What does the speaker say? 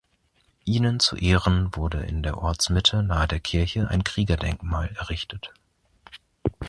Ihnen zu Ehren wurde in der Ortsmitte nahe der Kirche ein Kriegerdenkmal errichtet.